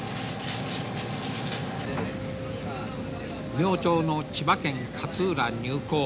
明朝の千葉県勝浦入港